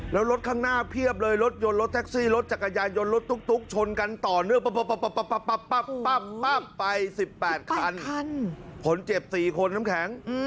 แล้วรถข้างหน้าเพียบเลยรถยนต์รถแท็กซี่จักรยายยนต์ตุ๊กชนกันต่อเนื่อง